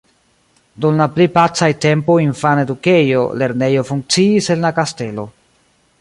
Dum la pli pacaj tempoj infana edukejo, lernejo funkciis en la kastelo.